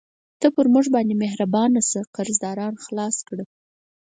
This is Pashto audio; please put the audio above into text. ته پر موږ باندې مهربانه شه، قرضداران خلاص کړه.